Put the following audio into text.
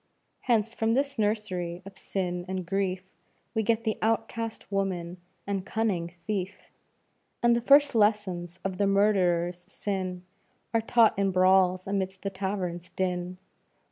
Hence, from this nursery of sin and grief, We get the outcast woman and cunning thief; And the first lessons of the murderer's sin Are taught in brawls amidst the tavern's din.